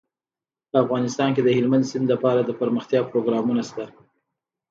په افغانستان کې د هلمند سیند لپاره د پرمختیا پروګرامونه شته.